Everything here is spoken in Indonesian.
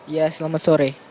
ya selamat sore